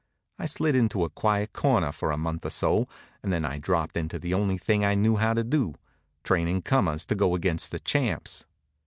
I slid into a quiet corner for a month or so, and then I dropped into the only thing I knew how to do, trainin' comers to go against the champs.